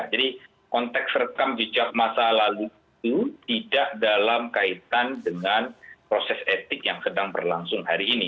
jadi konteks rekam jejak masa lalu itu tidak dalam kaitan dengan proses etik yang sedang berlangsung hari ini